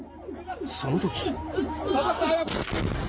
その時。